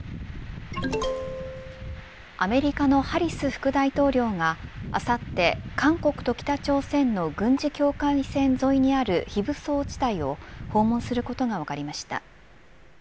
アメリカのハリス副大統領があさって韓国と北朝鮮の軍事境界線沿いにある非武装地帯を訪問することが分かりました。